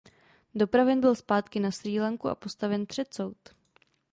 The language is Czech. Dopraven byl zpátky na Srí Lanku a postaven před soud.